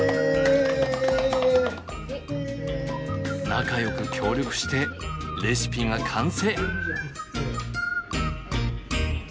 仲よく協力してレシピが完成。